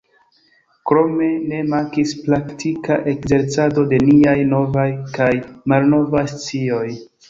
Krome ne mankis praktika ekzercado de niaj novaj kaj malnovaj scioj.